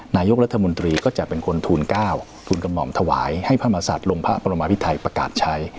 นายกรัฐมนตรีก็จะเป็นคนทูล๙ทูลกระหม่อมถวายให้พระมหาศัตริย์ลงพระบรมพิไทยประกาศใช้